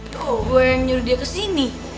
tuh gua yang nyuruh dia kesini